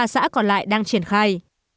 ba xã còn lại đang triển khai